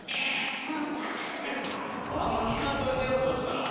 もうあんま聞かんといてよそしたら。